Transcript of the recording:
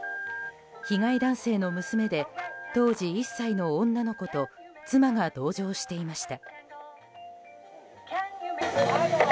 被害男性の娘で当時１歳の女の子と妻が同乗していました。